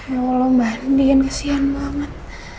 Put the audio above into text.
ya allah mbak andien kasihan banget